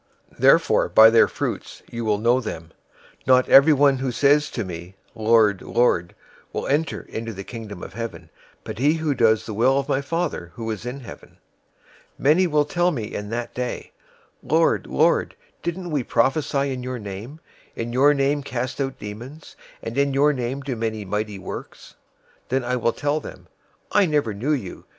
007:020 Therefore, by their fruits you will know them. 007:021 Not everyone who says to me, 'Lord, Lord,' will enter into the Kingdom of Heaven; but he who does the will of my Father who is in heaven. 007:022 Many will tell me in that day, 'Lord, Lord, didn't we prophesy in your name, in your name cast out demons, and in your name do many mighty works?' 007:023 Then I will tell them, 'I never knew you.